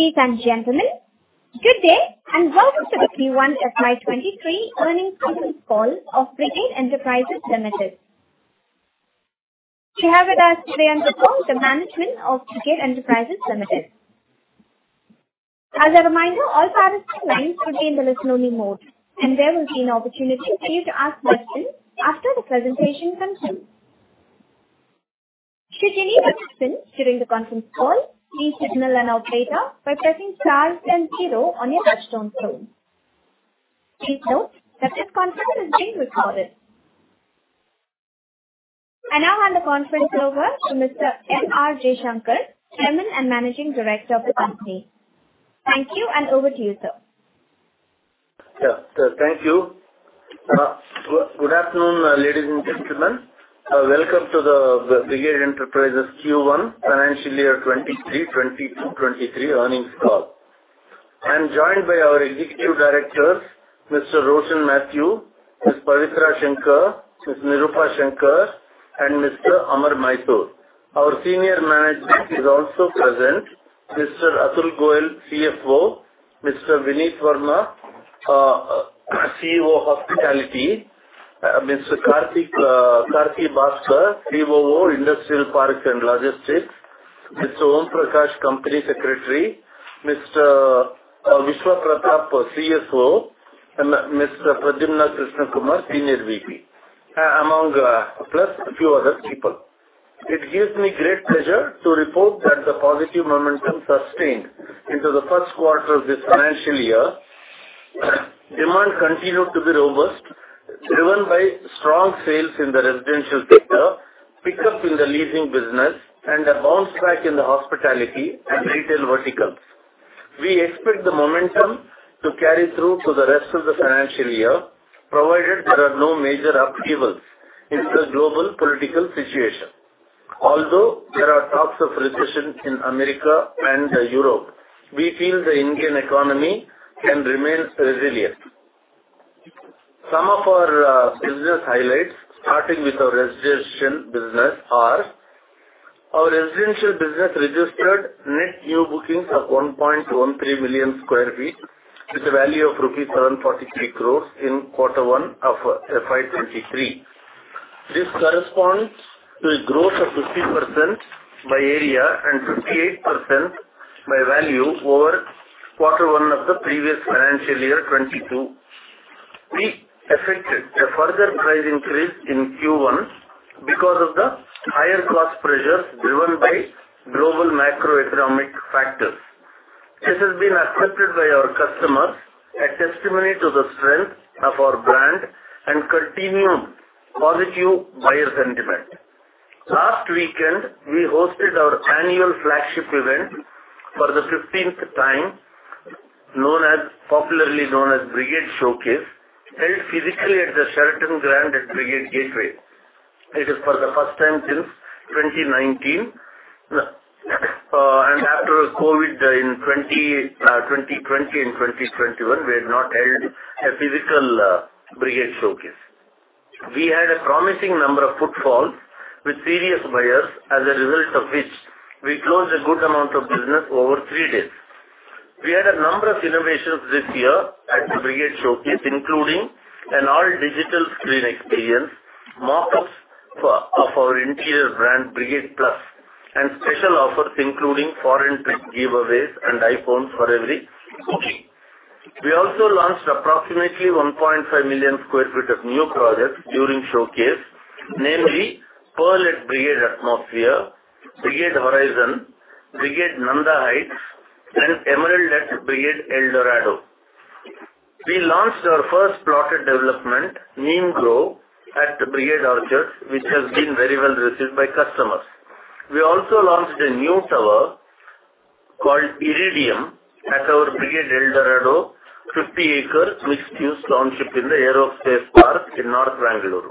Ladies and gentlemen, good day, and welcome to the Q1 FY 2023 earnings conference call of Brigade Enterprises Limited. We have with us today on the call the management of Brigade Enterprises Limited. As a reminder, all participants' lines will be in the listen-only mode, and there will be an opportunity for you to ask questions after the presentation concludes. Should you need assistance during the conference call, please signal an operator by pressing star then zero on your touchtone phone. Please note that this conference is being recorded. I now hand the conference over to Mr. M. R. Jaishankar, Chairman and Managing Director of the company. Thank you, and over to you, sir. Thank you. Good afternoon, ladies and gentlemen. Welcome to the Brigade Enterprises Q1 financial year 2022/23 earnings call. I'm joined by our executive directors, Mr. Roshin Mathew, Ms. Pavitra Shankar, Ms. Nirupa Shankar, and Mr. Amar Mysore. Our senior management is also present, Mr. Atul Goyal, CFO, Mr. Vineet Verma, CEO, Hospitality, Mr. Karthi Baskar, COO, Industrial Parks and Logistics, Mr. Om Prakash, Company Secretary, Mr. Viswa Prathap Desu, CFO, and Mr. Pradyumna Krishna Kumar, Senior VP, plus a few other people. It gives me great pleasure to report that the positive momentum sustained into the first quarter of this financial year. Demand continued to be robust, driven by strong sales in the residential sector, pickup in the leasing business, and a bounce back in the hospitality and retail verticals. We expect the momentum to carry through to the rest of the financial year, provided there are no major upheavals in the global political situation. Although there are talks of recession in America and Europe, we feel the Indian economy can remain resilient. Some of our business highlights, starting with our residential business, registered net new bookings of 1.13 million sq ft with a value of rupees 743 crore in Q1 of FY 2023. This corresponds to a growth of 50% by area and 58% by value over Q1 of the previous financial year, 2022. We effected a further price increase in Q1 because of the higher cost pressures driven by global macroeconomic factors. This has been accepted by our customers, a testimony to the strength of our brand and continued positive buyer sentiment. Last weekend, we hosted our annual flagship event for the 15th time, popularly known as Brigade Showcase, held physically at the Sheraton Grand at Brigade Gateway. It is for the first time since 2019. After COVID in 2020 and 2021, we had not held a physical Brigade Showcase. We had a promising number of footfalls with serious buyers, as a result of which we closed a good amount of business over three days. We had a number of innovations this year at the Brigade Showcase, including an all-digital screen experience, mock-ups of our interior brand, Brigade Plus, and special offers, including foreign trip giveaways and iPhone for every booking. We also launched approximately 1.5 million sq ft of new projects during showcase, namely Pearl at Brigade Atmosphere, Brigade Horizon, Brigade Nanda Heights, and Emerald at Brigade El Dorado. We launched our first plotted development, Neem Grove, at Brigade Orchards, which has been very well received by customers. We also launched a new tower called Iridium at our Brigade El Dorado 50-acre mixed-use township in the Aerospace Park in North Bengaluru.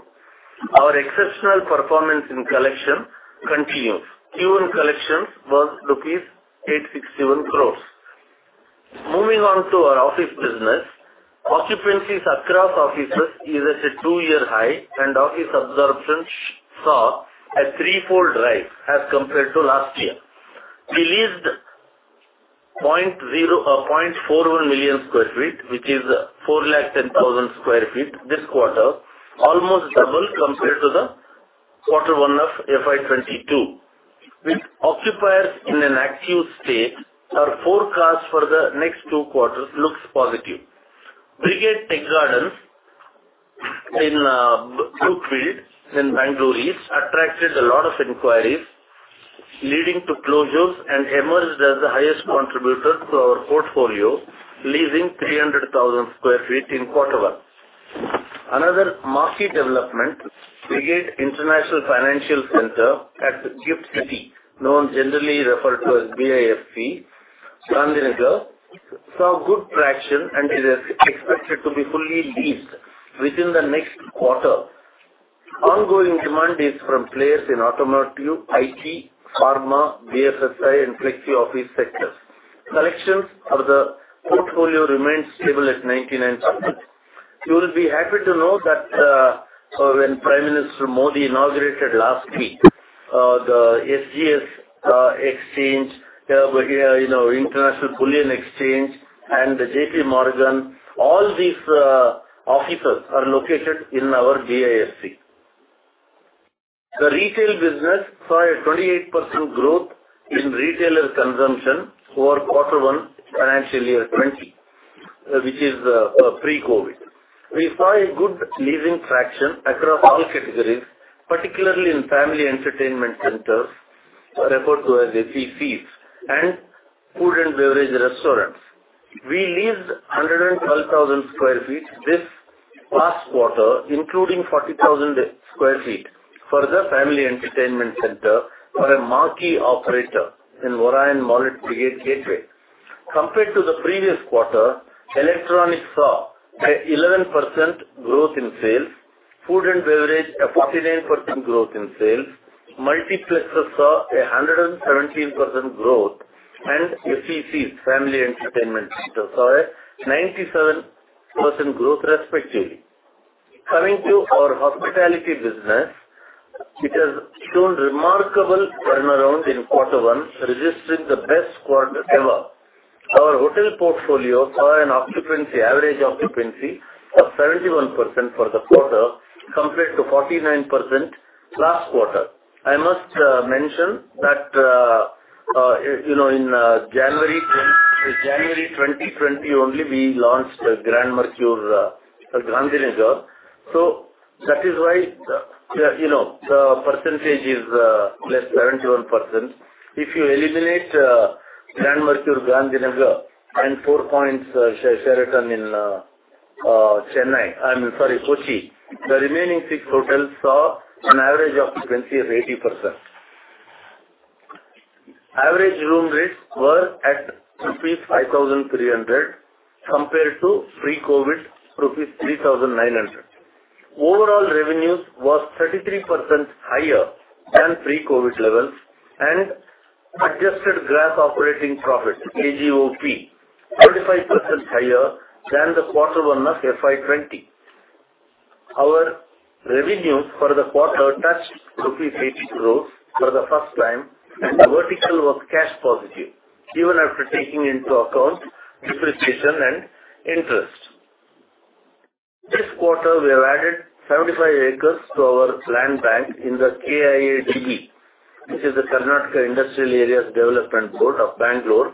Our exceptional performance in collection continues. Q1 collections was rupees 867 crores. Moving on to our office business. Occupancies across offices is at a two-year high, and office absorption saw a threefold rise as compared to last year. We leased 0.41 million sq ft, which is 410,000 sq ft this quarter, almost double compared to the Q1 of FY 2022. With occupiers in an active state, our forecast for the next two quarters looks positive. Brigade Tech Gardens in Brookefield in Bengaluru East attracted a lot of inquiries, leading to closures and emerged as the highest contributor to our portfolio, leasing 300,000 sq ft in quarter one. Another marquee development, Brigade International Finance Center at GIFT City, known generally referred to as BIFC, Gandhinagar, saw good traction and is expected to be fully leased within the next quarter. Ongoing demand is from players in automotive, IT, pharma, BFSI, and flexi-office sectors. Collections of the portfolio remains stable at 99.7%. You will be happy to know that when Prime Minister Modi inaugurated last week the SGX exchange, you know, International Bullion Exchange and the JPMorgan, all these offices are located in our BIFC. The retail business saw a 28% growth in retailer consumption over quarter one financial year 2020, which is pre-COVID. We saw a good leasing traction across all categories, particularly in family entertainment centers, referred to as FECs, and food and beverage restaurants. We leased 112,000 sq ft this last quarter, including 40,000 sq ft for the family entertainment center for a marquee operator in Orion Mall at Brigade Gateway. Compared to the previous quarter, electronics saw an 11% growth in sales, food and beverage a 49% growth in sales. Multiplexes saw a 117% growth, and FECs, family entertainment centers, saw a 97% growth respectively. Coming to our hospitality business, it has shown remarkable turnaround in quarter one, registering the best quarter ever. Our hotel portfolio saw an occupancy, average occupancy of 31% for the quarter, compared to 49% last quarter. I must mention that, you know, in January 2020 only we launched Grand Mercure Gandhinagar. That is why the, you know, the percentage is less 31%. If you eliminate Grand Mercure Gandhinagar and Four Points by Sheraton in Kochi, the remaining six hotels saw an average occupancy of 80%. Average room rates were at rupees 5,300 compared to pre-COVID rupees 3,900. Overall revenues was 33% higher than pre-COVID levels, and adjusted gross operating profit, AGOP, 35% higher than the quarter one of FY 2020. Our revenue for the quarter touched rupees 80 crore for the first time. The vertical was cash positive even after taking into account depreciation and interest. This quarter we have added 75 acres to our land bank in the KIADB, which is the Karnataka Industrial Areas Development Board of Bangalore,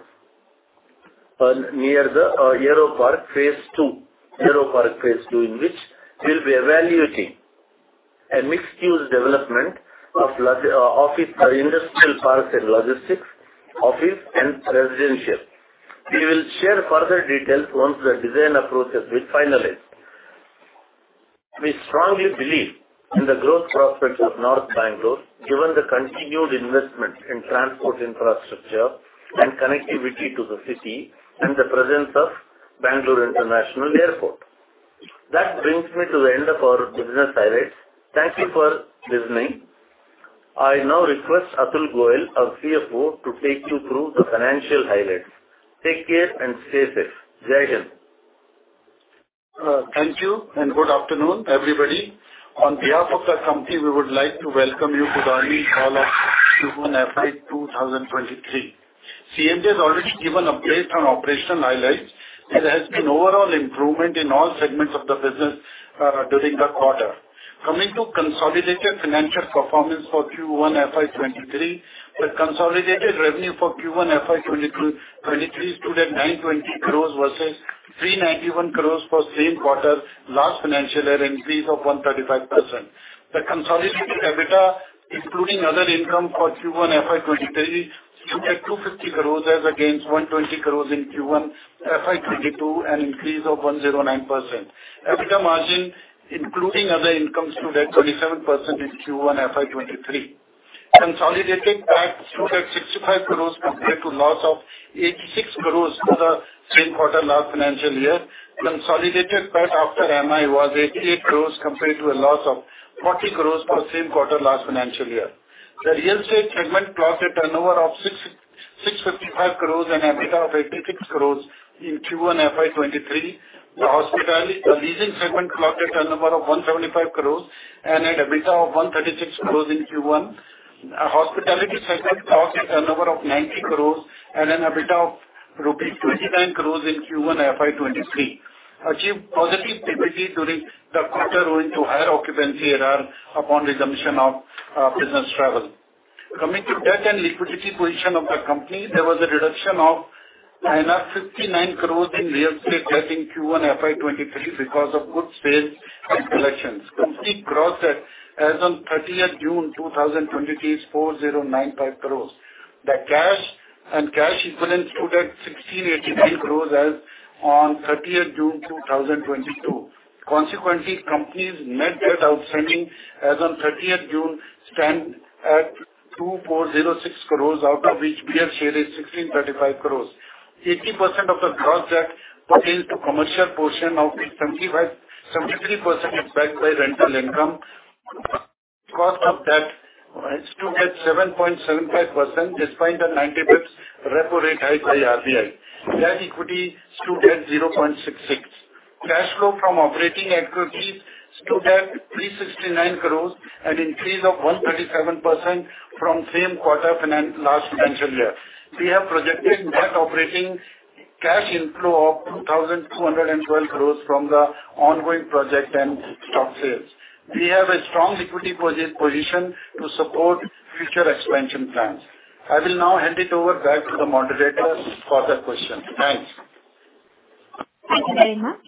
near the Aerospace Park phase two, in which we'll be evaluating a mixed-use development of office or industrial parks and logistics, office and residential. We will share further details once the design approach has been finalized. We strongly believe in the growth prospects of North Bangalore, given the continued investment in transport infrastructure and connectivity to the city and the presence of Bangalore International Airport. That brings me to the end of our business highlights. Thank you for listening. I now request Atul Goyal, our CFO, to take you through the financial highlights. Take care and stay safe. Jai Hind. Thank you and good afternoon, everybody. On behalf of the company, we would like to welcome you to the earnings call of Q1 FY 2023. CMD has already given updates on operational highlights. There has been overall improvement in all segments of the business during the quarter. Coming to consolidated financial performance for Q1 FY 2023, the consolidated revenue for Q1 FY 2022-2023 stood at 920 crores versus 391 crores for same quarter last financial year, increase of 135%. The consolidated EBITDA, including other income for Q1 FY 2023, stood at 250 crores as against 120 crores in Q1 FY 2022, an increase of 109%. EBITDA margin, including other income, stood at 27% in Q1 FY 2023. Consolidated PAT stood at 65 crore compared to loss of 86 crore for the same quarter last financial year. Consolidated PAT after MI was 88 crore compared to a loss of 40 crore for same quarter last financial year. The real estate segment clocked a turnover of 665 crore and EBITDA of 86 crore in Q1 FY 2023. The leasing segment clocked a turnover of 175 crore and an EBITDA of 136 crore in Q1. Hospitality segment clocked a turnover of 90 crore and an EBITDA of rupees 29 crore in Q1 FY 2023, achieved positive EBITDA during the quarter owing to higher occupancy ARR upon resumption of business travel. Coming to debt and liquidity position of the company, there was a reduction of 59 crore in real estate debt in Q1 FY 2023 because of good sales and collections. Company gross debt as on 30th June 2023 is 4,095 crores. The cash and cash equivalents stood at 1,689 crores as on 30th June 2022. Consequently, company's net debt outstanding as on 30th June stand at 2,406 crores, out of which fair share is 1,635 crores. Eighty percent of the gross debt pertains to commercial portion of which 75-73% is backed by rental income. Of that, it's still at 7.75% despite the 90 bps repo rate hike by RBI. Net equity stood at 0.66. Cash flow from operating activities stood at 369 crores, an increase of 157% from same quarter last financial year. We have projected net operating cash inflow of 2,212 crores from the ongoing project and stock sales. We have a strong equity position to support future expansion plans. I will now hand it over back to the moderators for the questions. Thanks. Thank you very much.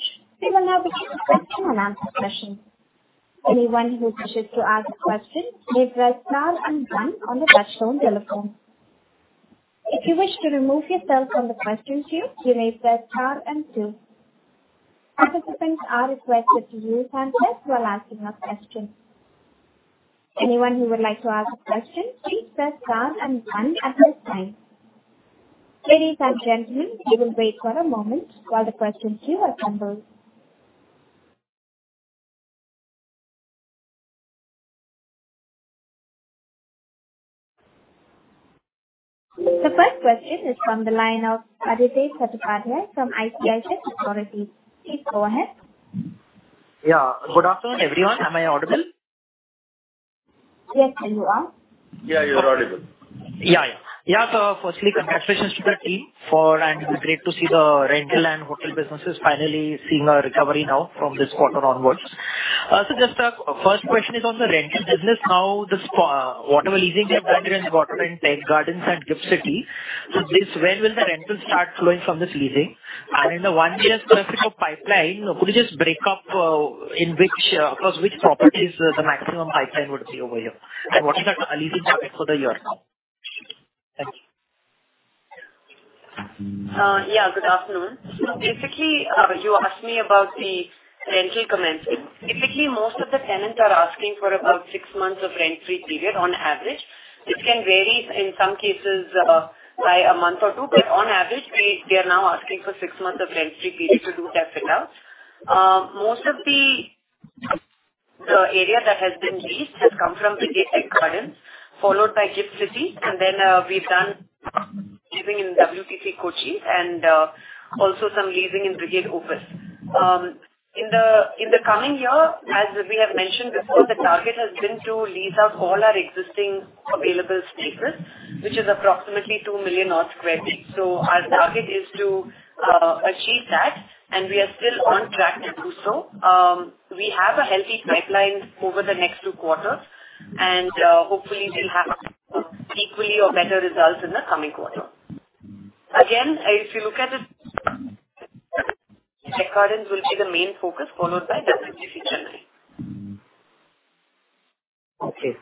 We will now begin the question and answer session. Anyone who wishes to ask a question, please press star and one on the touchtone telephone. If you wish to remove yourself from the question queue, you may press star and two. Participants are requested to use handset while asking a question. Anyone who would like to ask a question, please press star and one at this time. Ladies and gentlemen, we will wait for a moment while the question queue assembles. The first question is from the line of Adhidev Chattopadhyay from ICICI Securities. Please go ahead. Yeah. Good afternoon, everyone. Am I audible? Yes, you are. Yeah, you are audible. Yeah. Firstly, congratulations to the team for. Great to see the rental and hotel businesses finally seeing a recovery now from this quarter onwards. First question is on the rental business. Now, this, whatever leasing you have done in Brigade Tech Gardens and GIFT City, where will the rentals start flowing from this leasing? In the one year specific pipeline, could you just break up in which across which properties the maximum pipeline would be over here? What is the leasing target for the year now? Thank you. Good afternoon. Basically, you asked me about the rental commencing. Typically, most of the tenants are asking for about six months of rent-free period on average. This can vary in some cases by a month or two, but on average, they are now asking for six months of rent-free period to do their fit out. Most of the area that has been leased has come from Brigade Tech Gardens, followed by GIFT City, and then we've done leasing in WTC Kochi and also some leasing in Brigade Opus. In the coming year, as we have mentioned before, the target has been to lease out all our existing available spaces, which is approximately 2 million sq ft. Our target is to achieve that, and we are still on track to do so. We have a healthy pipeline over the next two quarters, and hopefully we'll have equally or better results in the coming quarter. Again, if you look at it, Tech Gardens will be the main focus followed by the Okay.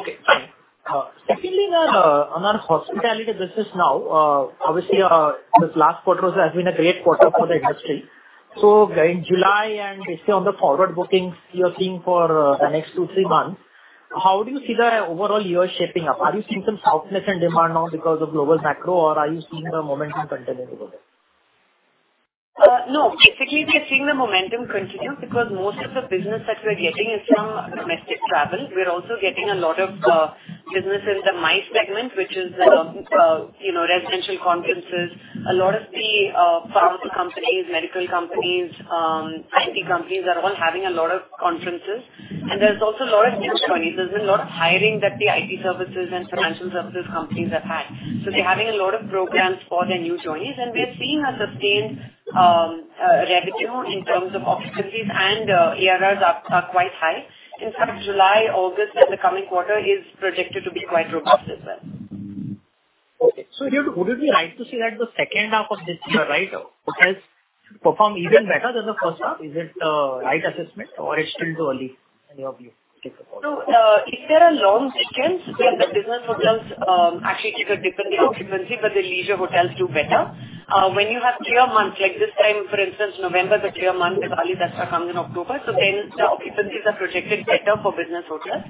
Okay, fine. Secondly, on our hospitality business now, obviously, this last quarter has been a great quarter for the industry. In July, and basically on the forward bookings you're seeing for the next two, three months, how do you see the overall year shaping up? Are you seeing some softness in demand now because of global macro, or are you seeing the momentum continuing to grow? No. Basically, we are seeing the momentum continue because most of the business that we are getting is from domestic travel. We are also getting a lot of business in the MICE segment, which is the, you know, residential conferences. A lot of the pharma companies, medical companies, IT companies are all having a lot of conferences. There's also a lot of new joinees. There's been a lot of hiring that the IT services and financial services companies have had. They're having a lot of programs for their new joinees. We are seeing a sustained revenue in terms of occupancies and ARRs are quite high. In fact, July, August, and the coming quarter is projected to be quite robust as well. Okay. Would it be right to say that the second half of this year, right, hotels perform even better than the first half? Is it, right assessment or it's still too early, any of you to comment? If there are long weekends, then the business hotels actually take a dip in the occupancy, but the leisure hotels do better. When you have clear months, like this time, for instance, November is a clear month, Diwali, Dussehra comes in October, so then the occupancies are projected better for business hotels.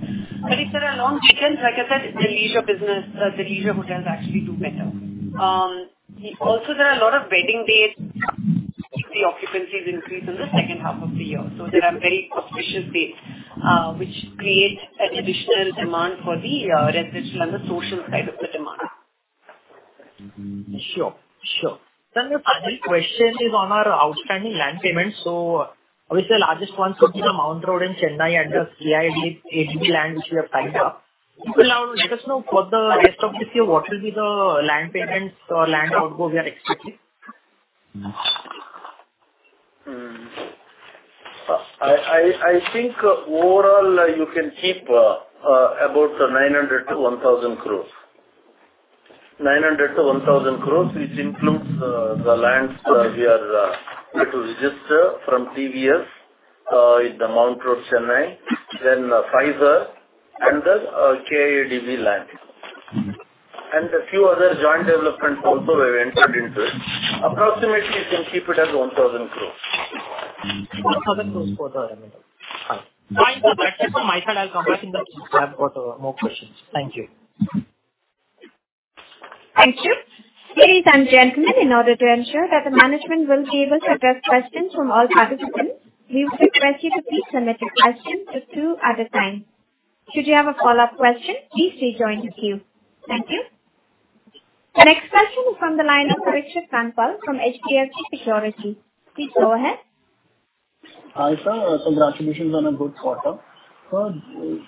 If there are long weekends, like I said, the leisure business, the leisure hotels actually do better. Also there are a lot of wedding dates. The occupancies increase in the second half of the year. There are very auspicious dates, which create an additional demand for the residential and the social side of the demand. Sure. Sure. The final question is on our outstanding land payments. Obviously the largest ones would be the Mount Road in Chennai and the KIADB land which we have tied up. If you'll now let us know for the rest of this year, what will be the land payments or land outgo we are expecting? I think overall you can keep about 900-1,000 crores, which includes the lands we are yet to register from TVS in the Mount Road, Chennai, then Pfizer and the KIADB land. The few other joint developments also we've entered into. Approximately you can keep it as 1,000 crores. 1,000 crore for the remainder. Fine. That's it from my side. I'll come back in the queue if I've got more questions. Thank you. Thank you. Ladies and gentlemen, in order to ensure that the management will be able to address questions from all participants, we request you to please submit your questions just two at a time. Should you have a follow-up question, please rejoin the queue. Thank you. The next question is from the line of Parikshit Kandpal from HDFC Securities. Please go ahead. Hi, sir. Congratulations on a good quarter. Sir,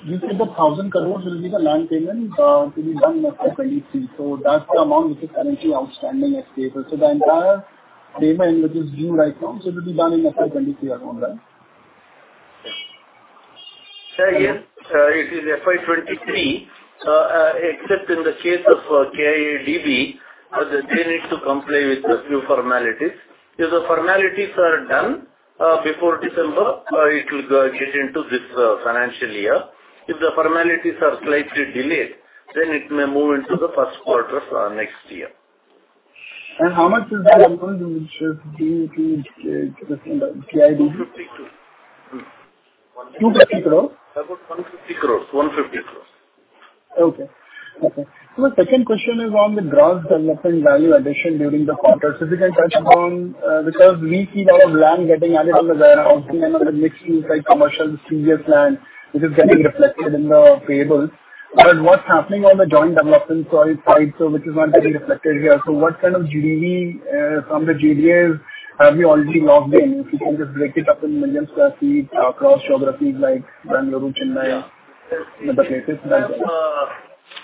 you said 1,000 crore will be the land payment to be done in FY 2023. That's the amount which is currently outstanding as payable. The entire payment which is due right now, so it will be done in FY 2023 around that? Say again. It is FY 2023, except in the case of KIADB, they need to comply with a few formalities. If the formalities are done before December, it will get into this financial year. If the formalities are slightly delayed, then it may move into the first quarter of next year. How much is the amount which is due to KIADB? INR 150 crore. INR 250 crore? About INR 150 crores. Okay. The second question is on the gross development value addition during the quarter. If you can touch upon, because we see lot of land getting added on the ground. I know that mix is like commercial to JDAs land which is getting reflected in the payables. What's happening on the joint development side, so which is not getting reflected here. What kind of GDV from the JDAs have you already locked in? If you can just break it up in million square feet across geographies like Bengaluru, Chennai, the latest ones.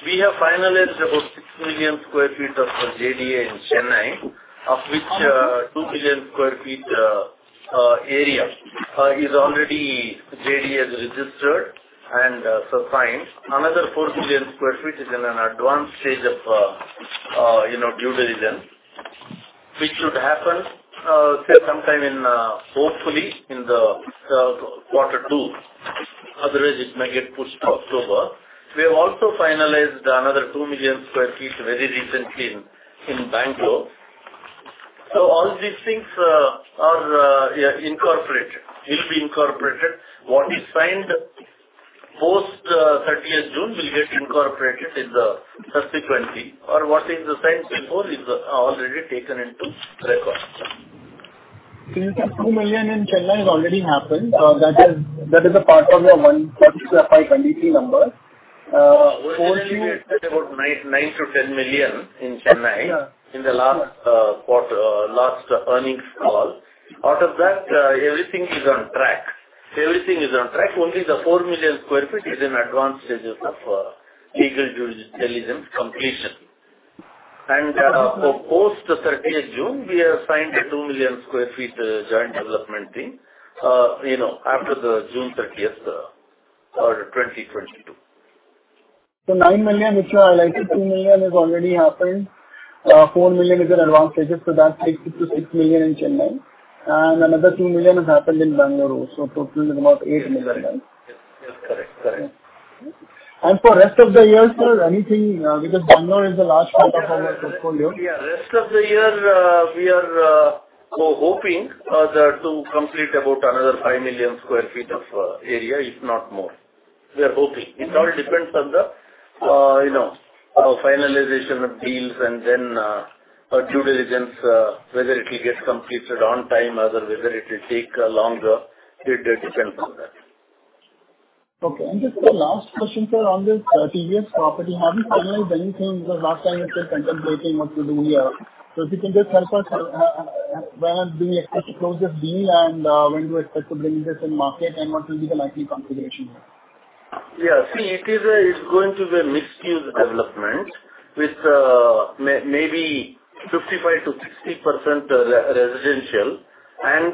We have finalized about 6 million sq ft of JDA in Chennai, of which 2 million sq ft area is already JDA registered and signed. Another four million sq ft is in an advanced stage of you know due diligence, which should happen say sometime in hopefully in the quarter two. Otherwise it may get pushed to October. We have also finalized another two million sq ft very recently in Bangalore. All these things are yeah incorporated. Will be incorporated. What is signed post thirtieth June will get incorporated in the subsequently, or what is signed before is already taken into records. Since the 2 million in Chennai has already happened, that is a part of your one. What is your FY 2023 number? Forty- Originally I said about 9 million-10 million in Chennai. Yeah. In the last quarter last earnings call. Out of that, everything is on track. Only the 4 million sq ft is in advanced stages of legal due diligence completion. For post-30th June, we have signed 2 million sq ft joint development agreements, you know, after the June 30th, 2022. 9 million which are like 2 million has already happened. Four million is in advanced stages, so that takes it to 6 million in Chennai. Another 2 million has happened in Bengaluru. Total is about 8 million then. Yes. Yes. Correct. Correct. For rest of the year, sir, anything, because Bengaluru is the large part of our portfolio. Rest of the year, we are hoping to complete about another 5 million sq ft of area, if not more. We are hoping. It all depends on, you know, our finalization of deals and then our due diligence, whether it will get completed on time or whether it will take a longer period. It depends on that. Okay. Just the last question, sir, on this, TVS property. Have you finalized anything? Because last time you said contemplating what to do here. If you can just help us, when are we expect to close this deal and, when do you expect to bring this in market and what will be the likely configuration here? Yeah. See, it is, it's going to be a mixed-use development with maybe 55%-60% residential and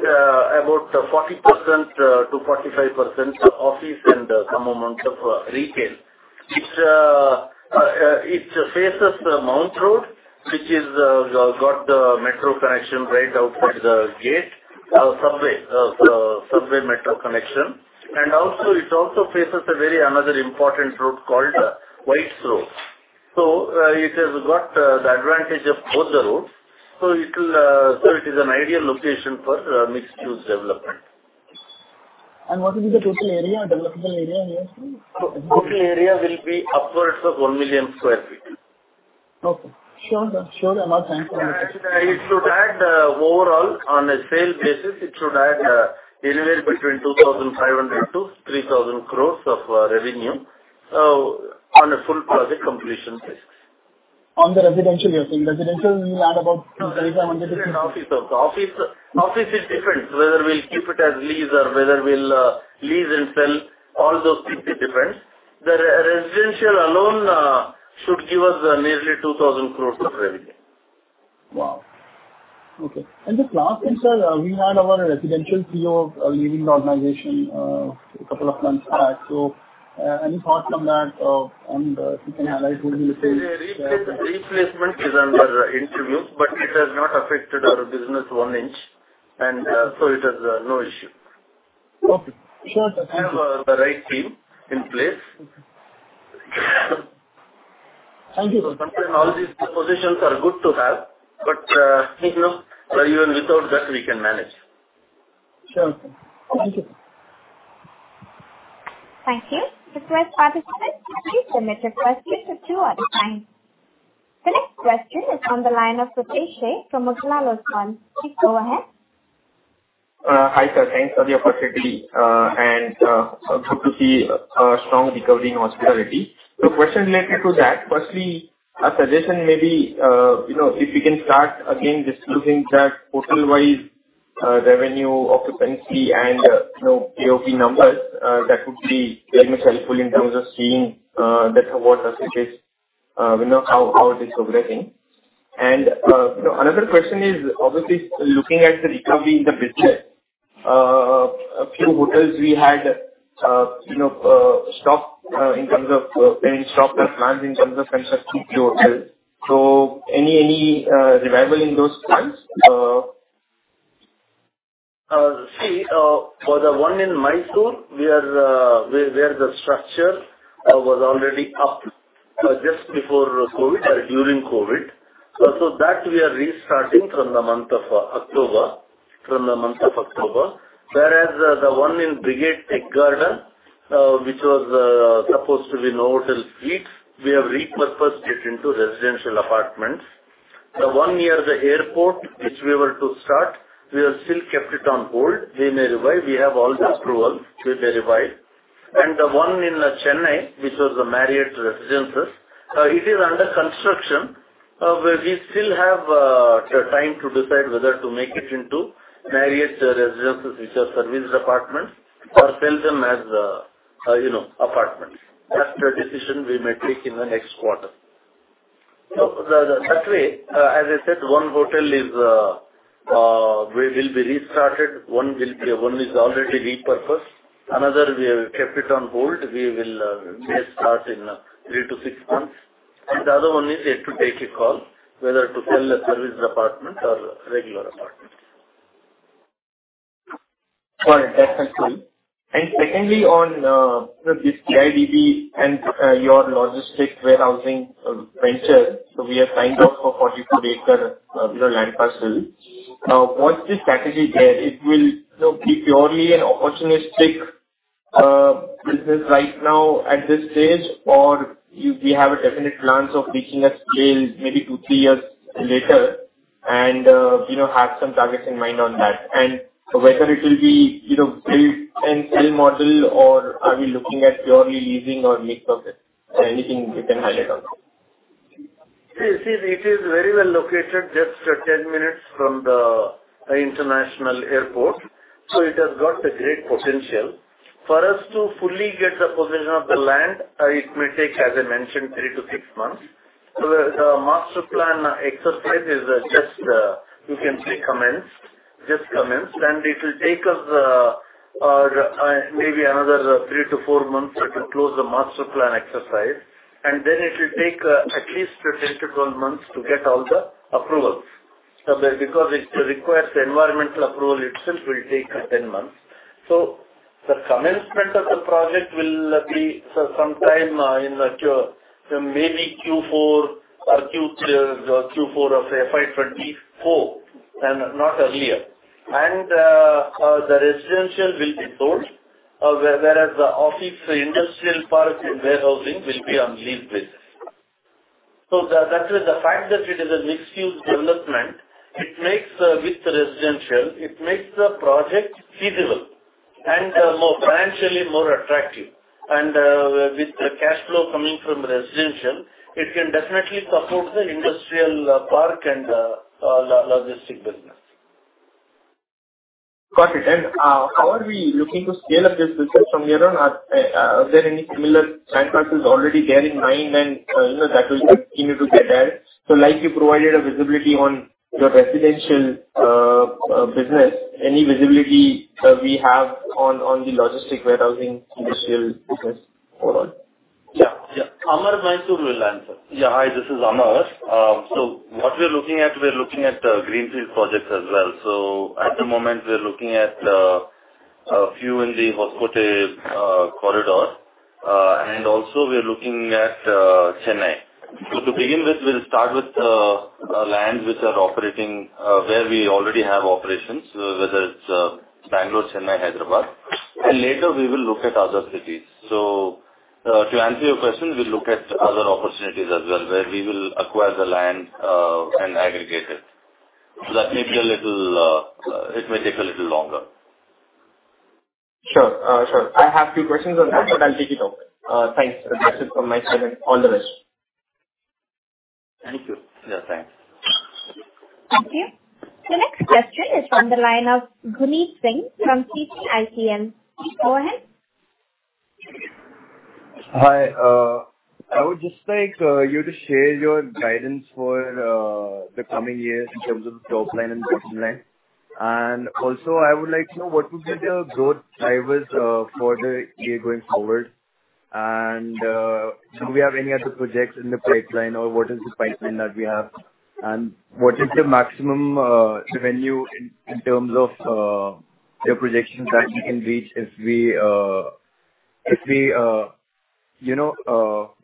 about 40%-45% office and some amount of retail. It faces Mount Road, which has got the metro connection right out of the gate. Subway metro connection. It also faces another very important road called Whites Road. It has got the advantage of both the roads. It is an ideal location for mixed-use development. What will be the total area, developable area here, sir? Total area will be upwards of 1 million sq ft. Okay. Sure, sir. Sure. It should add overall on a sale basis anywhere between 2,500 crores-3,000 crores of revenue on a full project completion basis. On the residential, you're saying. Residential will add about 2,500 crores to- No. Residential and office also. Office, it depends whether we'll keep it as lease or whether we'll lease and sell. All those things it depends. The residential alone should give us nearly 2,000 crores of revenue. Wow. Okay. Just last thing, sir. We had our residential CEO leaving the organization a couple of months back. Any thoughts on that, and if you can highlight who will be replacing? Repayment is under review, but it has not affected our business one inch, and so it has no issue. Okay. Sure, sir. We have the right team in place. Okay. Thank you, sir. Sometimes all these positions are good to have, but, you know, even without that we can manage. Sure. Thank you. Thank you. The first participant, please limit your questions to two at a time. The next question is on the line of Pritesh Sheth from Motilal Oswal. Please go ahead. Hi, sir. Thanks for the opportunity, good to see a strong recovery in hospitality. Question related to that. Firstly, a suggestion maybe, you know, if we can start again disclosing hotel-wise revenue, occupancy and, you know, ARR numbers, that would be very much helpful in terms of seeing what the situation, you know, how it is progressing. You know, another question is obviously looking at the recovery in the business. A few hotels we had stopped, you know, in terms of being stopped as plans in terms of shelved two hotels. Any revival in those plans? For the one in Mysore, where the structure was already up just before COVID or during COVID, that we are restarting from the month of October. Whereas, the one in Brigade Tech Gardens, which was supposed to be Novotel Suites, we have repurposed it into residential apartments. The one near the airport, which we were to start, we have still kept it on hold. We may revive. We have all the approvals. We may revive. The one in Chennai, which was the Marriott Residences, it is under construction. We still have the time to decide whether to make it into Marriott Residences, which are serviced apartments, or sell them as, you know, apartments. That's a decision we may take in the next quarter. As I said, one hotel will be restarted. One is already repurposed. Another, we have kept it on hold. We may start in three to six months. The other one is yet to take a call whether to sell a serviced apartment or regular apartment. Got it. That's helpful. Secondly, on this KIADB and your logistics warehousing venture. We are signed up for 44-acre, you know, land parcel. What's the strategy there? It will, you know, be purely an opportunistic business right now at this stage, or we have definite plans of reaching a scale maybe two to three years later and, you know, have some targets in mind on that. Whether it will be, you know, build and sell model or are we looking at purely leasing or mix of it? Anything you can highlight on that? You see, it is very well located, just 10 minutes from the international airport, so it has got a great potential. For us to fully get the possession of the land, it may take, as I mentioned, three to six months. The master plan exercise is just, you can say, commenced, and it'll take us maybe another three to four months to close the master plan exercise. Then it'll take at least 10-12 months to get all the approvals. Because it requires environmental approval itself will take 10 months. The commencement of the project will be sometime in Q4, maybe Q4 of FY 2024 and not earlier. The residential will be sold, whereas the office, industrial park and warehousing will be on lease basis. That is the fact that it is a mixed-use development. It makes the project feasible with residential and more financially attractive. With the cash flow coming from residential, it can definitely support the industrial park and logistic business. Got it. How are we looking to scale up this business from here on? Are there any similar land parcels already there in mind and, you know, that will continue to get added? Like you provided a visibility on your residential business, any visibility we have on the logistics warehousing industrial business overall? Yeah, yeah. Amar Mysore will answer. Hi, this is Amar. What we're looking at greenfield projects as well. At the moment we're looking at a few in the Hoskote corridor. Also we are looking at Chennai. To begin with, we'll start with lands which are operating where we already have operations whether it's Bangalore, Chennai, Hyderabad. Later we will look at other cities. To answer your question, we'll look at other opportunities as well, where we will acquire the land and aggregate it. That may take a little longer. Sure, sure. I have two questions on that, but I'll take it off. Thanks. That's it from my side. All the best. Thank you. Yeah, thanks. Thank you. The next question is from the line of Guneet Singh from CPICM. Go ahead. Hi. I would just like you to share your guidance for the coming year in terms of top line and bottom line. Also, I would like to know what would be the growth drivers for the year going forward. Do we have any other projects in the pipeline or what is the pipeline that we have? What is the maximum revenue in terms of your projections that we can reach if we you know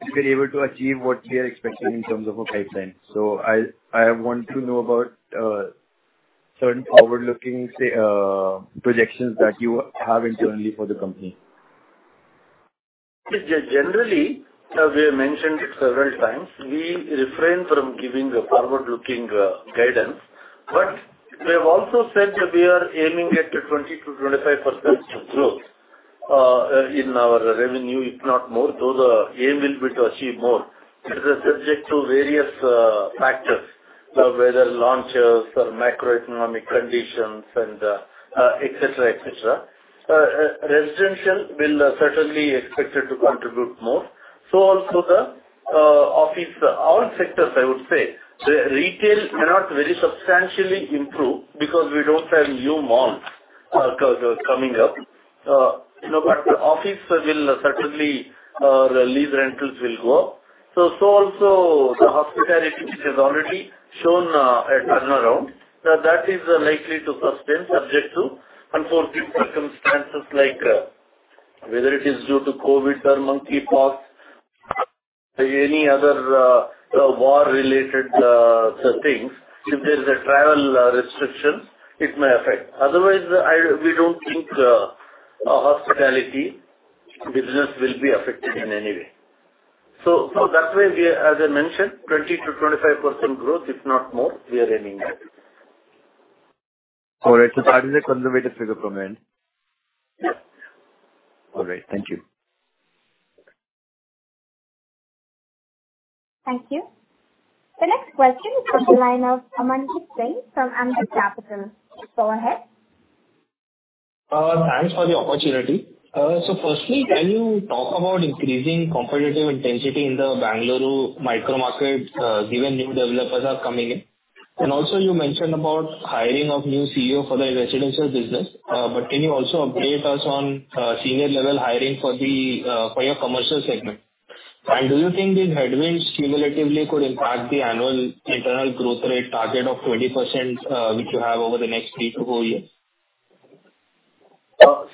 if we're able to achieve what we are expecting in terms of a pipeline? I want to know about. Certain forward-looking, say, projections that you have internally for the company. Generally, as we have mentioned it several times, we refrain from giving a forward-looking guidance. We have also said that we are aiming at a 20%-25% growth in our revenue, if not more, though the aim will be to achieve more. It is subject to various factors, whether launches or macroeconomic conditions and et cetera, et cetera. Residential will certainly expected to contribute more. Also the office. All sectors, I would say. The retail cannot very substantially improve because we don't have new malls coming up. You know, office will certainly lease rentals will go up. Also the hospitality, which has already shown a turnaround. Now, that is likely to sustain subject to unforeseen circumstances like whether it is due to COVID or monkeypox, any other war-related things. If there is a travel restrictions, it may affect. Otherwise, we don't think our hospitality business will be affected in any way. That's why we are, as I mentioned, 20%-25% growth, if not more, we are aiming at. That is a conservative figure from end? Yes. All right. Thank you. Thank you. The next question is from the line of Amanjit Singh from Ambit Capital. Please go ahead. Thanks for the opportunity. Firstly, can you talk about increasing competitive intensity in the Bengaluru micro market, given new developers are coming in? Also you mentioned about hiring of new CEO for the residential business. Can you also update us on senior level hiring for your commercial segment? Do you think these headwinds cumulatively could impact the annual internal growth rate target of 20%, which you have over the next three to four years?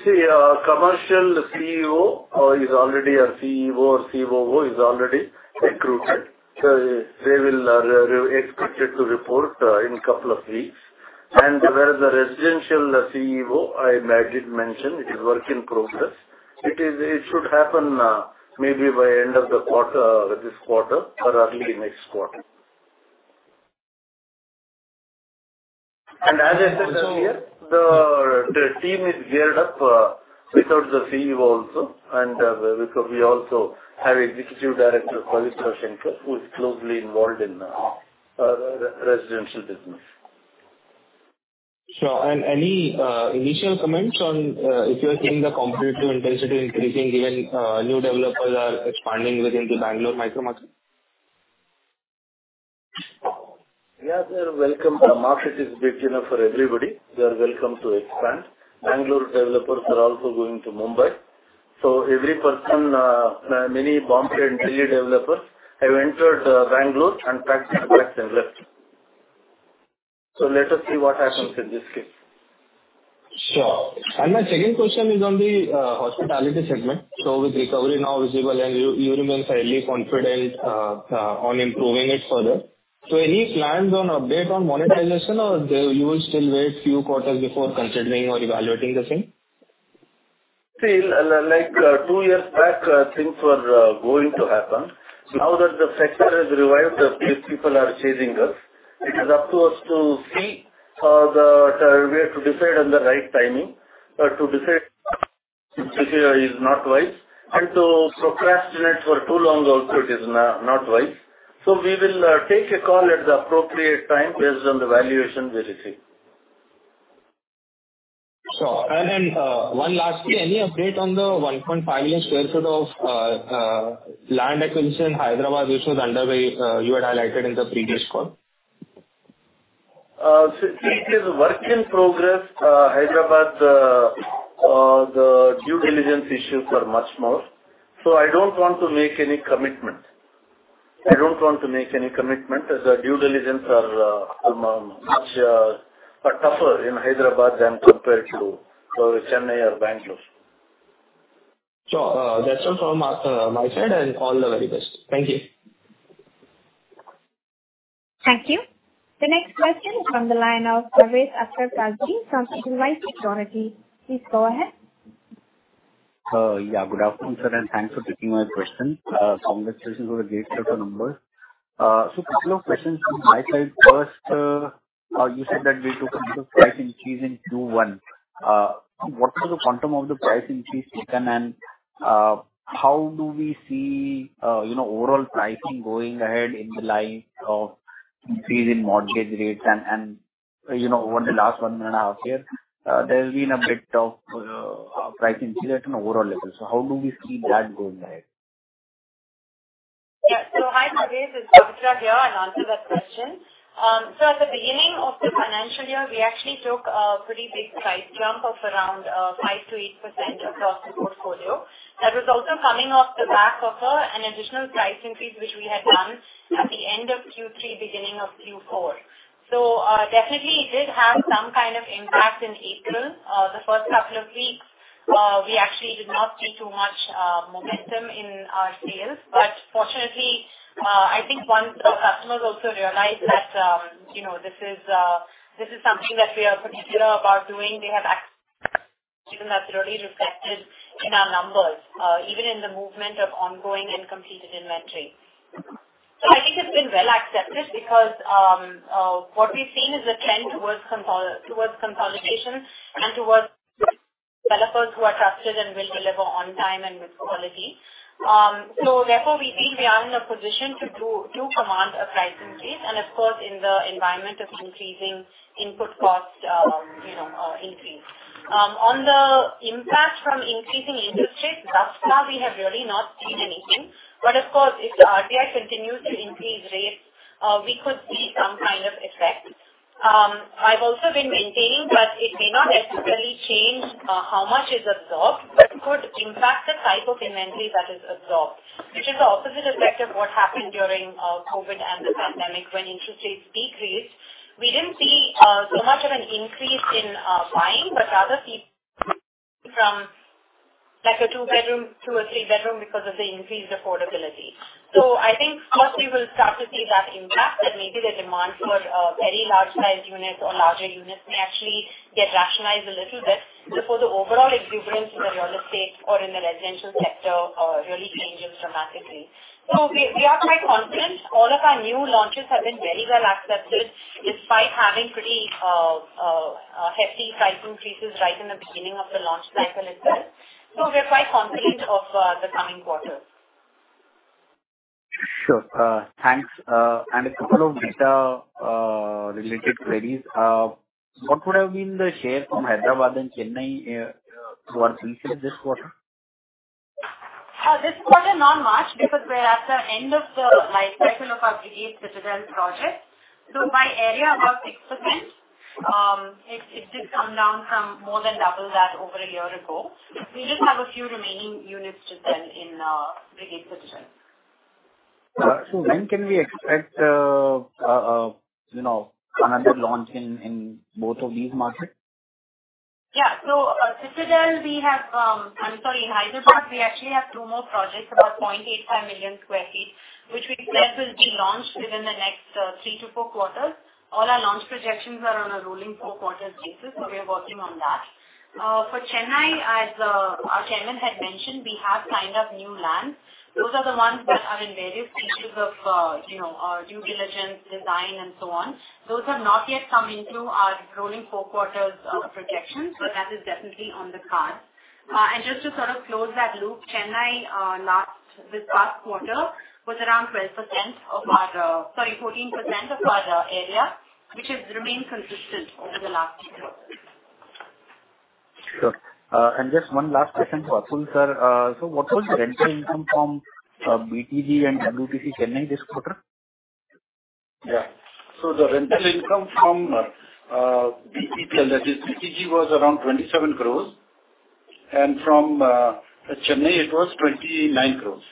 See, our commercial CEO is already a CEO. COO is already recruited. They will be expected to report in couple of weeks. Whereas the residential CEO, I did mention, it is work in progress. It should happen maybe by end of the quarter, this quarter or early next quarter. As I said earlier, the team is geared up without the CEO also. We also have Executive Director Pavitra Shankar, who is closely involved in residential business. Sure. Any initial comments on if you are seeing the competitive intensity increasing, given new developers are expanding within the Bangalore micro market? They are welcome. The market is big enough for everybody. They are welcome to expand. Bangalore developers are also going to Mumbai. Every person, many Bombay and Delhi developers have entered Bangalore and packed their bags and left. Let us see what happens in this case. Sure. My second question is on the hospitality segment. With recovery now visible and you remain fairly confident on improving it further. Any plans on update on monetization or you will still wait few quarters before considering or evaluating the same? See, like, two years back, things were going to happen. Now that the sector is revived, people are chasing us. It is up to us to see the way to decide on the right timing. To decide is not wise. To procrastinate for too long also it is not wise. We will take a call at the appropriate time based on the valuation we receive. Sure. One lastly. Any update on the 1.5 million sq ft of land acquisition Hyderabad, which was underway, you had highlighted in the previous call? It is work in progress. Hyderabad, the due diligence issues are much more. I don't want to make any commitment. The due diligence are much tougher in Hyderabad than compared to Chennai or Bangalore. Sure. That's all from my side, and all the very best. Thank you. Thank you. The next question is from the line of Parvez Akhtar Qazi from JLL. Please go ahead. Yeah, good afternoon, sir, and thanks for taking my question. Congratulations on the great set of numbers. Couple of questions from my side. First, you said that we took a price increase in Q1. What was the quantum of the price increase taken, and how do we see, you know, overall pricing going ahead in the light of increase in mortgage rates and, you know, over the last one and a half year, there's been a bit of price inflation overall level. How do we see that going ahead? Yeah. Hi, Parvez, it's Pavitra Shankar here. I'll answer that question. At the beginning of the financial year, we actually took a pretty big price jump of around 5%-8% across the portfolio. That was also coming off the back of an additional price increase, which we had done at the end of Q3, beginning of Q4. Definitely it did have some kind of impact in April, the first couple of weeks. We actually did not see too much momentum in our sales. Fortunately, I think once the customers also realized that, you know, this is something that we are particular about doing, even that's really reflected in our numbers, even in the movement of ongoing and completed inventory. I think it's been well accepted because what we've seen is a trend towards consolidation and towards developers who are trusted and will deliver on time and with quality. Therefore, we think we are in a position to command a price increase, and of course, in the environment of increasing input costs, you know, increase. On the impact from increasing interest rates, thus far we have really not seen anything. Of course, if they continue to increase rates, we could see some kind of effect. I've also been maintaining that it may not necessarily change how much is absorbed. It could impact the type of inventory that is absorbed, which is the opposite effect of what happened during COVID and the pandemic when interest rates decreased. We didn't see so much of an increase in buying, but rather from like a two-bedroom to a three-bedroom because of the increased affordability. I think first we will start to see that impact, and maybe the demand for very large sized units or larger units may actually get rationalized a little bit before the overall exuberance in the real estate or in the residential sector really changes dramatically. We are quite confident. All of our new launches have been very well accepted despite having pretty hefty price increases right in the beginning of the launch cycle itself. We're quite confident of the coming quarters. Sure. Thanks. A couple of data-related queries. What would have been the share from Hyderabad and Chennai towards pre-sales this quarter? This quarter not much because we're at the end of the life cycle of our Brigade Citadel project. By area, about 6%. It did come down from more than double that over a year ago. We just have a few remaining units to sell in Brigade Citadel. When can we expect, you know, another launch in both of these markets? In Hyderabad, we actually have two more projects, about 0.85 million sq ft, which we said will be launched within the next three to four quarters. All our launch projections are on a rolling four-quarters basis, so we are working on that. For Chennai, as our chairman had mentioned, we have signed up new lands. Those are the ones that are in various stages of due diligence, design and so on. Those have not yet come into our rolling four quarters projections, but that is definitely on the cards. Just to sort of close that loop, Chennai this past quarter was around 14% of our area, which has remained consistent over the last year. Sure. Just one last question for Mr. Atul Goyal. What was the rental income from BTG and WTC Chennai this quarter? The rental income from BTG, that is BTG, was around 27 crores. From Chennai it was 29 crores.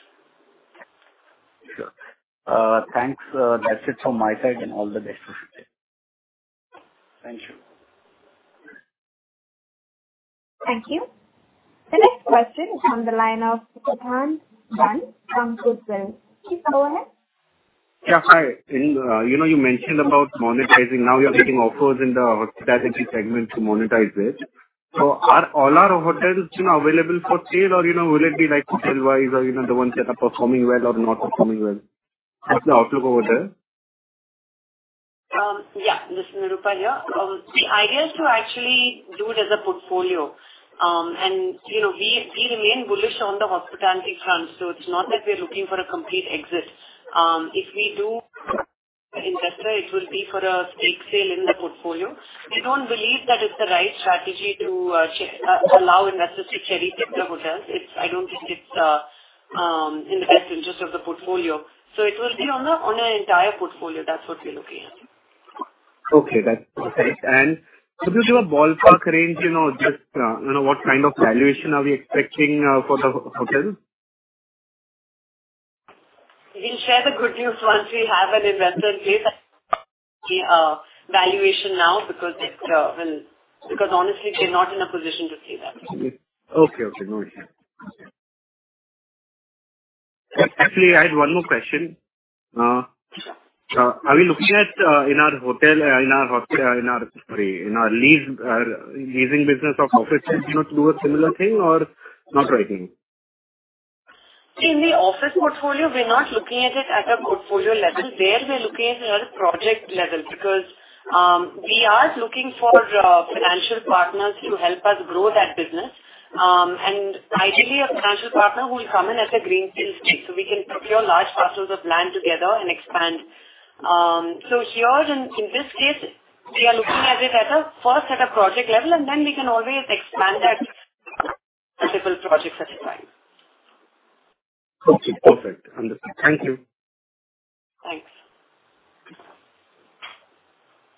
Sure. Thanks. That's it from my side, and all the best for today. Thank you. Thank you. The next question is from the line of Siddhant Dand from Goodwill. Please go ahead. Yeah, hi. In, you know, you mentioned about monetizing. Now you're getting offers in the hospitality segment to monetize it. Are all our hotels, you know, available for sale or, you know, will it be like hotel-wise or, you know, the ones that are performing well or not performing well? What's the outlook over there? This is Nirupa here. The idea is to actually do it as a portfolio. You know, we remain bullish on the hospitality front, so it's not that we're looking for a complete exit. If we do investor, it will be for a stake sale in the portfolio. We don't believe that it's the right strategy to allow investors to cherry-pick the hotels. I don't think it's in the best interest of the portfolio. It will be on an entire portfolio. That's what we're looking at. Okay. That's perfect. Could you give a ballpark range, you know, just, you know, what kind of valuation are we expecting for the hotel? We'll share the good news once we have an investor. Okay. No issue. Actually I had one more question. Are we looking at in our leasing business of offices, you know, to do a similar thing or not right now? In the office portfolio, we're not looking at it at a portfolio level. There we're looking at it at a project level because we are looking for financial partners to help us grow that business. Ideally a financial partner who will come in as a greenfield stake, so we can procure large parcels of land together and expand. Here in this case, we are looking at it at a first set of project level, and then we can always expand that multiple projects at a time. Okay. Perfect. Understood. Thank you. Thanks.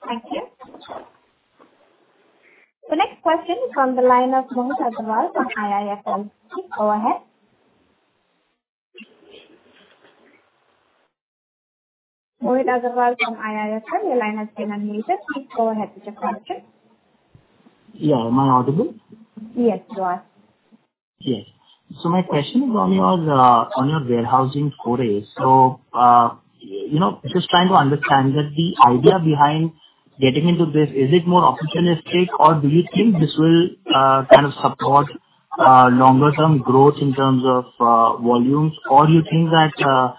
Thank you. The next question is from the line of Mohit Agrawal from IIFL. Please go ahead. Mohit Agrawal from IIFL. Your line has been unmuted. Please go ahead with your question. Yeah. Am I audible? Yes, you are. Yes. My question is on your warehousing queries. You know, just trying to understand that the idea behind getting into this, is it more opportunistic or do you think this will kind of support longer-term growth in terms of volumes? Or you think that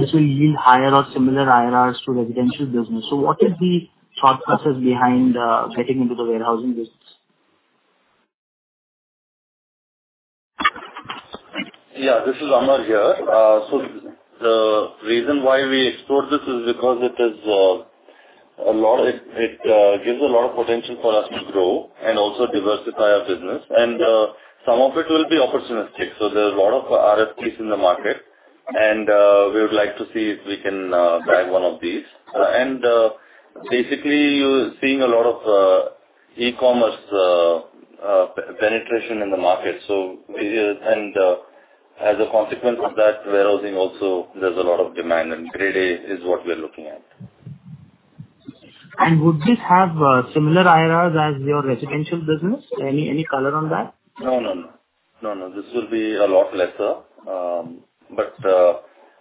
this will yield higher or similar IRRs to residential business? What is the thought process behind getting into the warehousing business? Yeah. This is Amar here. The reason why we explored this is because it gives a lot of potential for us to grow and also diversify our business. Some of it will be opportunistic. There's a lot of RFPs in the market and we would like to see if we can bag one of these. Basically you're seeing a lot of e-commerce penetration in the market. As a consequence of that, warehousing also there's a lot of demand, and Grade A is what we're looking at. Would this have similar IRRs as your residential business? Any color on that? No, no. This will be a lot lesser.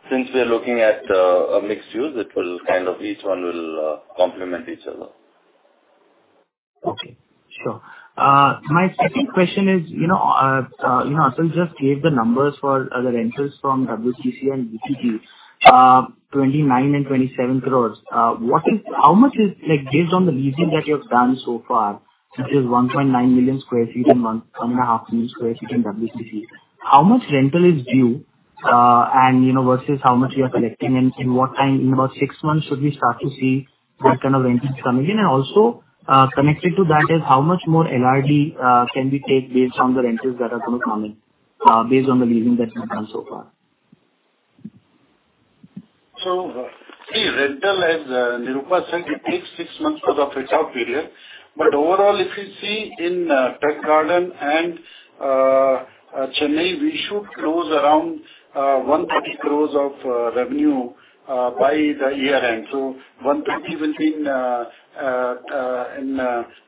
Since we are looking at a mixed use, it will kind of each one will complement each other. Okay. Sure. My second question is, you know, Atul just gave the numbers for the rentals from WTC and BTG, 29 crore and 27 crore. How much is, like, based on the leasing that you have done so far, which is 1.9 million sq ft and 1.5 million sq ft in WTC, how much rental is due, and, you know, versus how much you are collecting? In what time, in about six months should we start to see that kind of rentals coming in? Also, connected to that is how much more LRD can we take based on the rentals that are gonna come in, based on the leasing that you have done so far? The rental, as Nirupa said, it takes six months for the fit-out period. Overall, if you see in Tech Garden and Chennai, we should close around 130 crores of revenue by the year-end. 120 will be in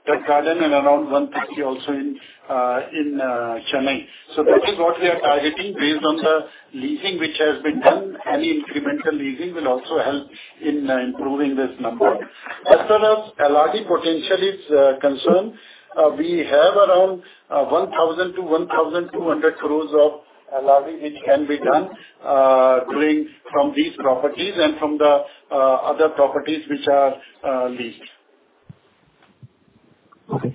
Tech Garden and around 150 also in Chennai. That is what we are targeting based on the leasing which has been done. Any incremental leasing will also help in improving this number. As far as LRD potential is concerned, we have around 1,000 to 1,200 crores of LRD which can be done from these properties and from the other properties which are leased. Okay.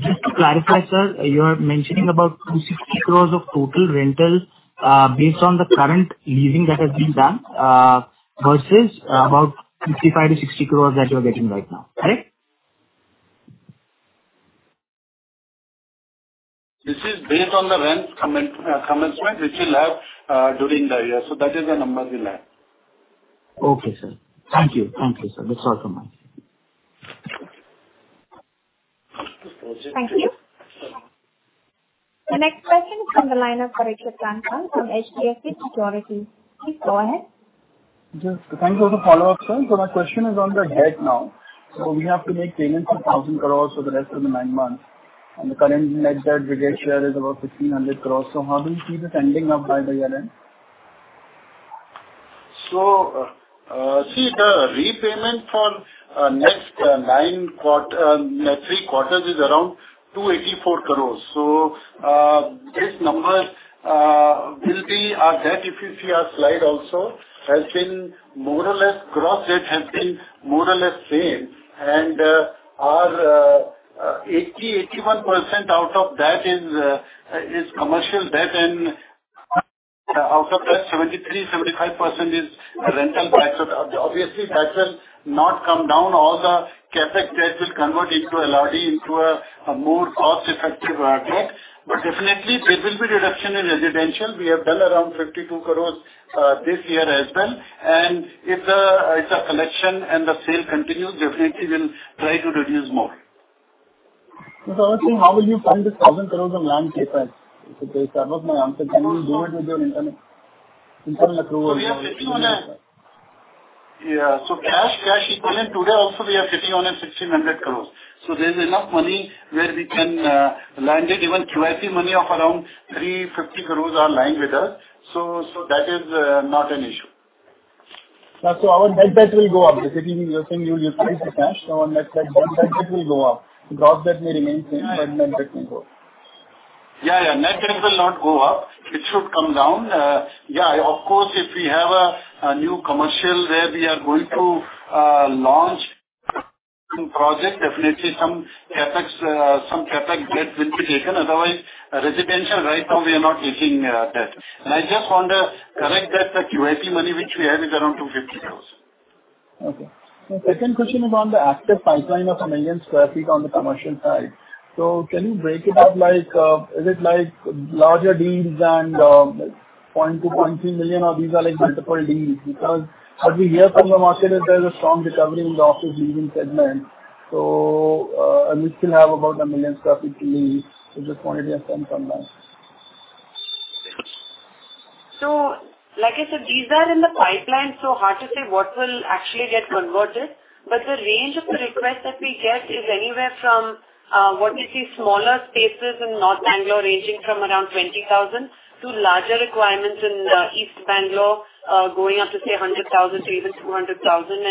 Just to clarify, sir, you are mentioning about 260 crores of total rental, based on the current leasing that has been done, versus about 55-60 crores that you are getting right now. Correct? This is based on the rent commencement which will have during the year. That is the numbers we have. Okay, sir. Thank you. Thank you, sir. That's all from my side. Thank you. The next question is from the line of Parikshit Kandpal from HDFC Securities. Please go ahead. Thank you for the follow-up, sir. My question is on the hedge now. We have to make payments of 1,000 crores for the rest of the nine months. The current net debt we have is about 1,500 crores. How do you see this ending up by the year-end? See the repayment for next three quarters is around 284 crore. This number will be our debt, if you see our slide also, has been more or less constant. It has been more or less same. Our 81% out of that is commercial debt and out of that 73%-75% is rental debt. Obviously that will not come down. All the CapEx debt will convert into LRD into a more cost-effective debt. Definitely there will be reduction in residential. We have done around 52 crore this year as well. If the collection and the sale continues, definitely we'll try to reduce more. I was saying how will you fund this 1,000 crore of land CapEx? That was my answer. Can you do it with your internal accrual or- Cash and cash equivalents today also we are sitting on 1,600 crores. There's enough money where we can land it. Even QIP money of around 350 crores are lying with us. That is not an issue. Yeah. Our net debt will go up. Basically you're saying you'll use free cash, so our net debt will go up. Gross debt may remain same, but net debt will go up. Yeah, yeah. Net debt will not go up. It should come down. Yeah, of course, if we have a new commercial where we are going to launch some project, definitely some CapEx debt will be taken, otherwise residential right now we are not taking debt. I just want to correct that the QIP money which we have is around 250 crores. Okay. Second question is on the active pipeline of 1 million sq ft on the commercial side. Can you break it up like, is it like larger deals and, like 0.2 million, 0.3 million or these are like multiple deals? Because what we hear from the market is there's a strong recovery in the office leasing segment. You still have about 1 million sq ft to lease. Just wanted your sense on that. Like I said, these are in the pipeline, so hard to say what will actually get converted. The range of the request that we get is anywhere from what we see smaller spaces in North Bangalore ranging from around 20,000 to larger requirements in East Bangalore going up to say 100,000 to even 200,000,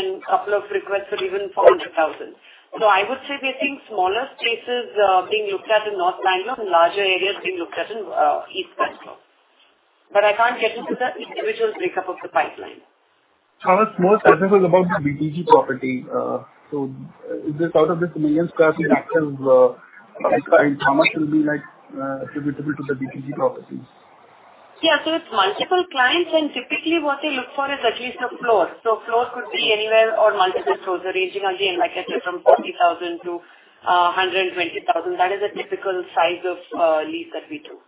and couple of requests for even 400,000. I would say we are seeing smaller spaces being looked at in North Bangalore and larger areas being looked at in East Bangalore. I can't get into the individual breakup of the pipeline. I was more specific about the BTG property. Is this out of this 1 million sq ft actual, how much will be like, attributable to the BTG properties? Yeah. It's multiple clients, and typically what they look for is at least a floor. Floor could be anywhere or multiple floors are ranging again, like I said, from 40,000 to 120,000. That is a typical size of lease that we do.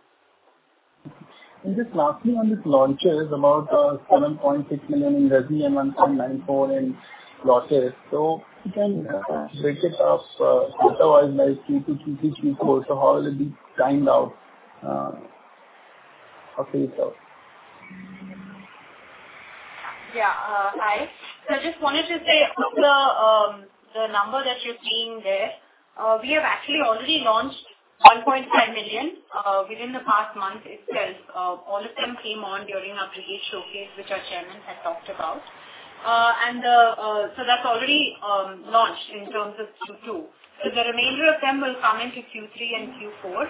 Just lastly on these launches about 7.6 million in Resi and 1.94 million in lots. Yeah. Break it up quarter-wise like Q2, Q3, Q4. How will it be timed out, or phased out? Hi. I just wanted to say of the number that you're seeing there, we have actually already launched 1.5 million sq ft within the past month itself. All of them came on during our Brigade Showcase, which our chairman had talked about. That's already launched in terms of Q2. The remainder of them will come into Q3 and Q4.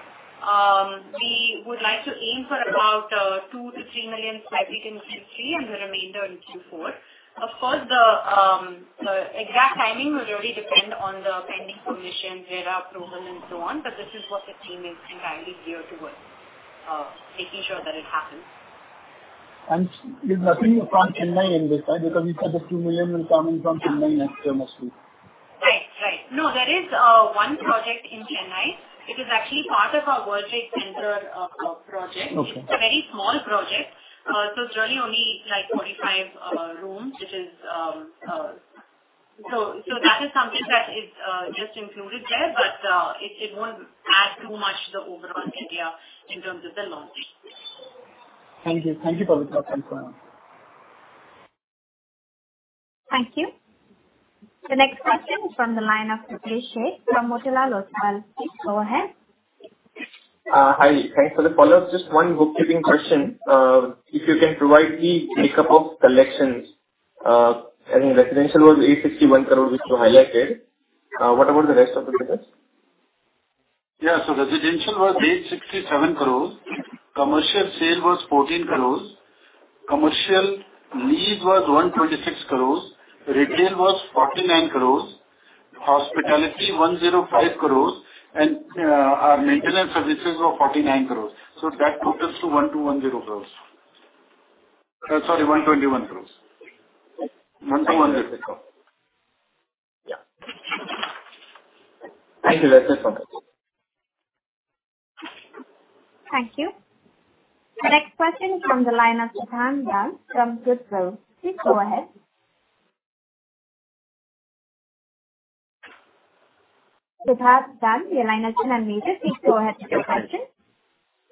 We would like to aim for about 2 million sq ft-3 million sq ft in Q3 and the remainder in Q4. Of course, the exact timing will really depend on the pending permission, RERA approval and so on. This is what the team is entirely geared towards making sure that it happens. There's nothing from Chennai in this, right? Because you said the 2 million will come in from Chennai next year mostly. Right. No, there is one project in Chennai. It is actually part of our World Trade Center project. Okay. It's a very small project. It's really only like 45 rooms, which is something that is just included there. It won't add too much to the overall area in terms of the launches. Thank you. Thank you, Pavitra. Thanks for your time. Thank you. The next question is from the line of Pritesh Sheth from Motilal Oswal. Please go ahead. Hi. Thanks for the follow-up. Just one bookkeeping question. If you can provide the makeup of collections. I think residential was INR 861 crore which you highlighted. What about the rest of the business? Residential was INR 867 crores. Commercial sale was INR 14 crores. Commercial lease was INR 126 crores. Retail was INR 49 crores. Hospitality INR 105 crores. Our maintenance services were INR 49 crores. That totals to 1,210 crores. Sorry, 121 crores. 1,210 crore. Yeah. Thank you. That's it from my side. Thank you. The next question is from the line of Siddhant Dand from Goodwill. Please go ahead. Siddharth Arya, your line is still unmuted. Please go ahead with your question.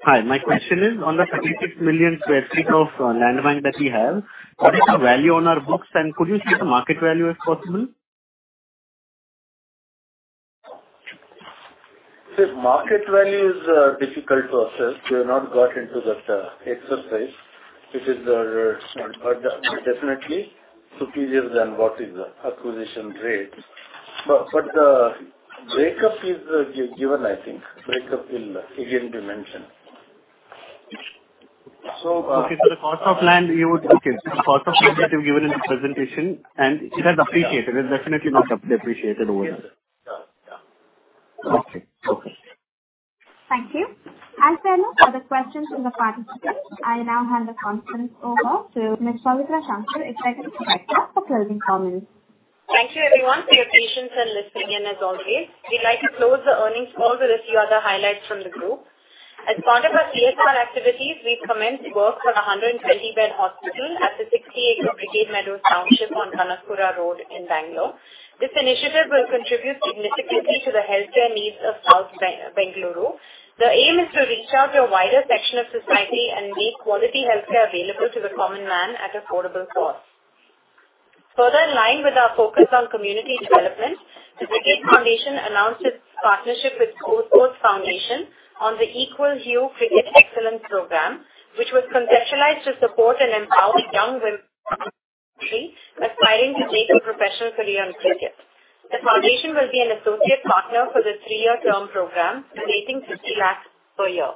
Hi. My question is on the 36 million sq ft of land bank that you have, what is the value on our books? Could you share the market value if possible? The market value is difficult to assess. We have not got into that exercise. It is definitely superior than what is the acquisition rate. The breakup is given, I think. Breakup will again be mentioned. Okay. The cost of land that you've given in the presentation and it has appreciated. It's definitely not depreciated over. Yeah. Yeah. Okay. Okay. Thank you. As there are no further questions from the participants, I now hand the conference over to Ms. Pavitra Shankar, Executive Director, for closing comments. Thank you everyone for your patience and listening in as always. We'd like to close the earnings call with a few other highlights from the group. As part of our CSR activities, we've commenced work on a 120-bed hospital at the 60 acres Brigade Meadows Township on Kanakapura Road in Bangalore. This initiative will contribute significantly to the healthcare needs of South Bengaluru. The aim is to reach out to a wider section of society and make quality healthcare available to the common man at affordable cost. Further in line with our focus on community development, the Brigade Foundation announced its partnership with GoSports Foundation on the Equal Hue Cricket Excellence Programme, which was conceptualized to support and empower young women aspiring to make a professional career in cricket. The foundation will be an associate partner for the three-year term program, donating 50 lakhs per year.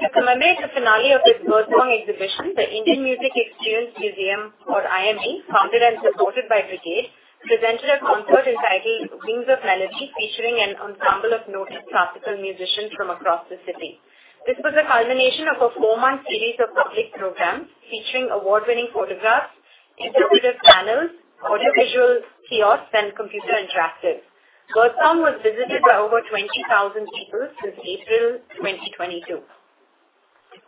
To commemorate the finale of the Birdsong Exhibition, the Indian Music Experience Museum or IME, founded and supported by Brigade, presented a concert entitled Wings of Melody, featuring an ensemble of noted classical musicians from across the city. This was a culmination of a four-month series of public programs featuring award-winning photographs, interpretive panels, audiovisual kiosks and computer interactives. Birdsong was visited by over 20,000 people since April 2022.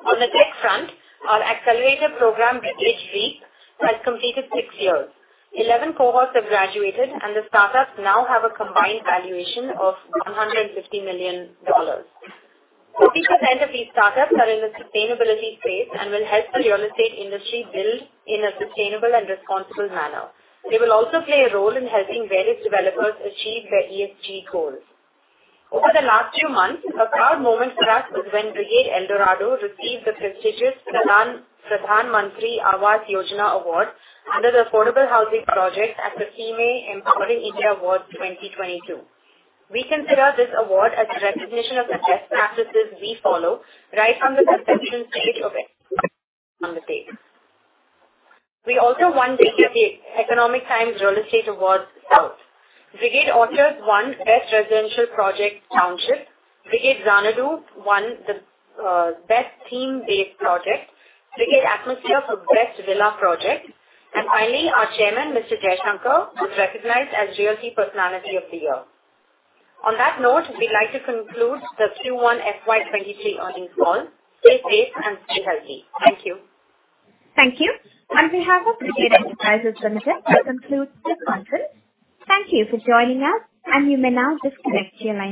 On the tech front, our accelerator program, Brigade REAP, has completed six years. 11 cohorts have graduated, and the startups now have a combined valuation of $150 million. 40% of these startups are in the sustainability space and will help the real estate industry build in a sustainable and responsible manner. They will also play a role in helping various developers achieve their ESG goals. Over the last two months, a proud moment for us was when Brigade El Dorado received the prestigious Pradhan Mantri Awas Yojana award under the Affordable Housing Project at the FICCI Empowering India Awards 2022. We consider this award as a recognition of the best practices we follow right from the conception stage of it on paper. We also won The Economic Times Real Estate Awards South. Brigade Orchards won Best Residential Project Township. Brigade Xanadu won the best theme-based project. Brigade Atmosphere for best villa project. Finally, our chairman, Mr. M. R. Jaishankar, was recognized as Realty Personality of the Year. On that note, we'd like to conclude the Q1 FY 2023 earnings call. Stay safe and stay healthy. Thank you. Thank you. On behalf of Brigade Enterprises Limited, I conclude this conference. Thank you for joining us, and you may now disconnect your lines.